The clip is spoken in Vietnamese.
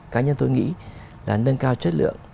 cá nhân tôi nghĩ là nâng cao chất lượng